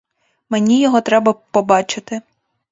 Мені його треба б побачити.